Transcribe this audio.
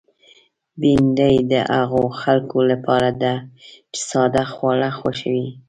بېنډۍ د هغو خلکو لپاره ده چې ساده خواړه خوښوي